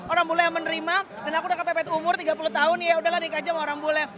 orang bule yang menerima dan aku udah kepepet umur tiga puluh tahun ya yaudahlah nikah aja sama orang bule